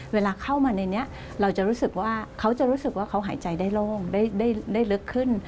เวลาเข้ามาในนี้เขาจะรู้สึกว่าเขาหายใจได้โล่งได้ลึกขึ้น